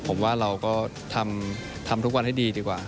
ผมว่าเราก็ทำทุกวันให้ดีดีกว่า